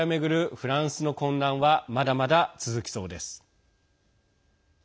フランスの混乱はまだまだ続きそうです。